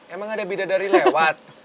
emang ada bidadari lewat